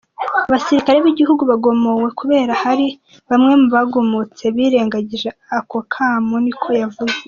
Abasirikare b'igihugu bagomowe kubera hari bamwe mu bagumutse birengagije ako kamo, niko yavuze.